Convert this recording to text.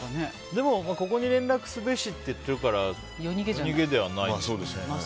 でも、ここに連絡すべしって言ってるから夜逃げではないよね。